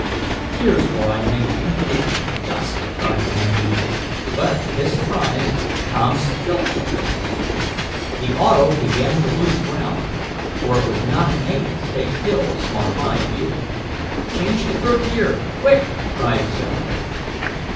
"Here's where I make him take my dust!" cried Andy, but, to his surprise Tom still kept ahead. The auto began to lose ground, for it was not made to take hills on high gear. "Change to third gear quick!" cried Sam.